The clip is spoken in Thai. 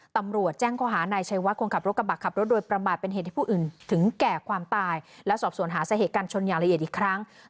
ตำรวจแจ้งข้อหา